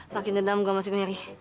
makin dendam gue masih nyari